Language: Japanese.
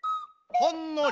ほんのり？